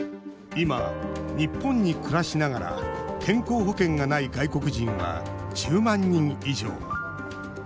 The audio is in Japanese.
今、日本に暮らしながら健康保険がない外国人は１０万人以上。